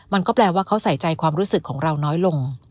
มันก็แปลว่าเขาใส่ใจความรู้สึกของเราน้อยลง